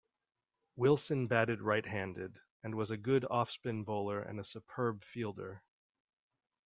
Wilson batted right-handed, and was a good off-spin bowler and a superb fielder.